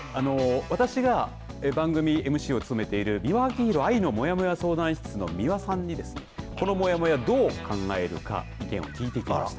私が番組ＭＣを務めている美輪明宏、愛のモヤモヤ相談室の美輪さんにこのもやもや、どう考えるか意見を聞いてきました。